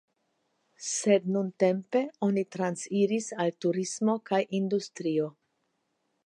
Sed nuntempe oni transiris al turismo kaj industrio.